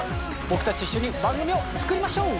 僕たちと一緒に番組を作りましょう！